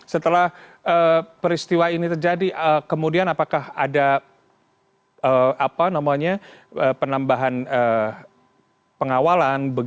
setelah peristiwa ini terjadi kemudian apakah ada penambahan pengawalan